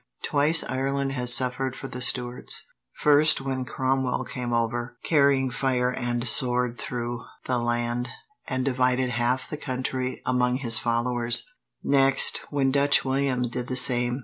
Twice Ireland has suffered for the Stuarts: first, when Cromwell came over, carrying fire and sword through the land, and divided half the country among his followers; next, when Dutch William did the same.